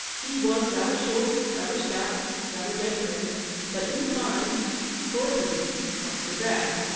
He was rather short, rather stout, rather redhaired, but, in fine, for a prince not so bad.